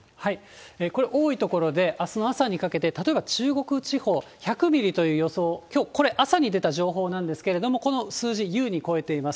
これ多い所で、あすの朝にかけて、例えば中国地方、１００ミリという予想、きょうこれ、朝に出た情報なんですけれども、この数字、優に超えています。